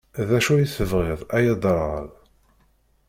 D acu i tebɣiḍ, ay aderɣal?